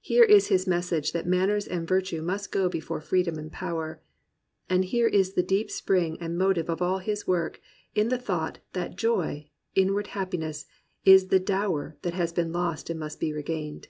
Here is his message that manners and virtue must go be fore freedom and power. And here is the deep spring and motive of all his work, in the thought that jcyy, inward happiness, is the dower that has been lost and must be regained.